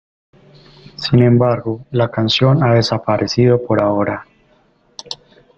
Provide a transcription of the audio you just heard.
Sin embargo, la canción ha desaparecido por ahora.